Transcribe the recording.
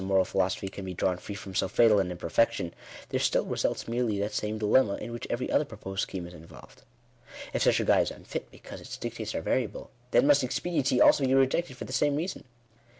a moral philosophy can be drawn free from so fatal an imper fection, there still results merely that same dilemma, in which every other proposed scheme is involved. If such a guide is unfit, because its dictates are variable, then must Expe diency also be rejected for the same reason.